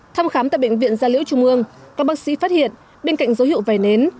thăm khám tại bệnh viện gia liễu trung ương các bác sĩ phát hiện bên cạnh dấu hiệu vẩy nến